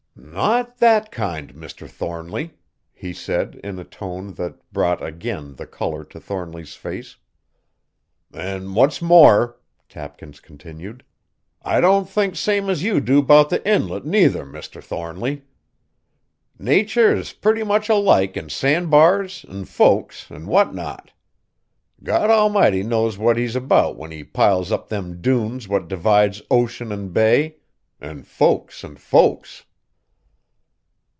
"Not that kind, Mr. Thornly," he said, in a tone that brought, again, the color to Thornly's face. "An' what's more," Tapkins continued, "I don't think same as you do 'bout the inlet, nuther, Mr. Thornly. Nater is pretty much alike in sand bars, an' folks, an' what not! God Almighty knows what He's about when He piles up them dunes what divides ocean an' bay; an' folks an' folks!"